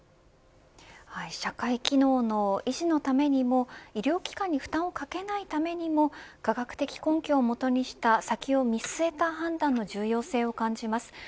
社会機能の維持のためにも医療機関に負担をかけないためにも科学的根拠を基にした先を見据えた判断の重要性を感じます。